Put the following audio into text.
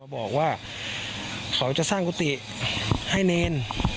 บอกว่าเขาจะสร้างกุฏิให้เนร